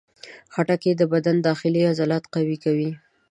خټکی د بدن داخلي عضلات قوي کوي.